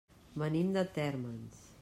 Venim de Térmens.